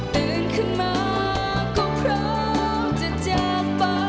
ตื่นขึ้นมาก็พร้อมจะเจอฟ้า